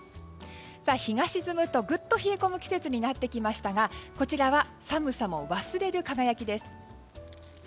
日が沈むと、ぐっと冷え込む季節になってきましたがこちらは寒さも忘れる輝きです。